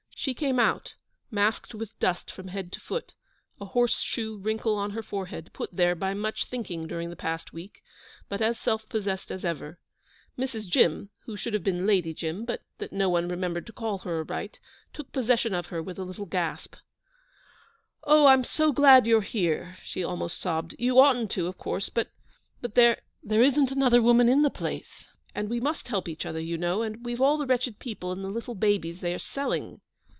She came out, masked with dust from head to foot, a horse shoe wrinkle on her forehead, put here by much thinking during the past week, but as self possessed as ever. Mrs. Jim who should have been Lady Jim, but that no one remembered to call her aright took possession of her with a little gasp. 'Oh, I'm so glad you're here,' she almost sobbed. 'You oughtn't to, of course, but there there isn't another woman in the place, and we must help each other, you know; and we've all the wretched people and the little babies they are selling.'